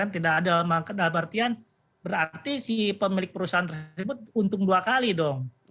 tidak ada dalam artian berarti si pemilik perusahaan tersebut untung dua kali dong